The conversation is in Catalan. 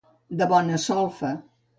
De bona solfa.